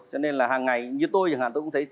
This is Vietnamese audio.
cho nên là hàng ngày như tôi chẳng hạn tôi cũng thấy